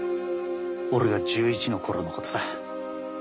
俺が１１の頃のことだ。